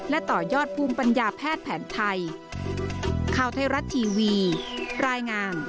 และต่อยอดภูมิปัญญาแพทย์แผนไทย